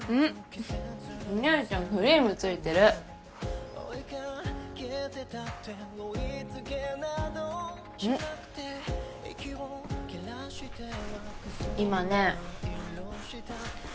お姉ちゃんクリームついてるん今ね